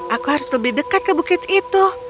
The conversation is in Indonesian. aku harus lebih dekat ke bukit itu